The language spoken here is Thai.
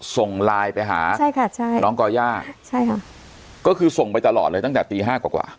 ส่งไลน์ไปหาใช่ค่ะใช่น้องก่อย่าใช่ค่ะก็คือส่งไปตลอดเลยตั้งแต่ตีห้ากว่ากว่า